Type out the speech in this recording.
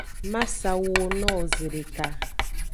Ma sa wuwo no wo zedeka.